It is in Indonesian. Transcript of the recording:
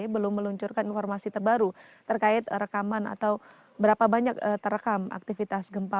belum meluncurkan informasi terbaru terkait rekaman atau berapa banyak terekam aktivitas gempa